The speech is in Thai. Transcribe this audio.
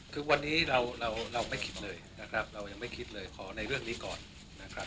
คือวันนี้เราเราไม่คิดเลยนะครับเรายังไม่คิดเลยขอในเรื่องนี้ก่อนนะครับ